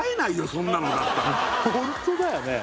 そんなのなったらホントだよね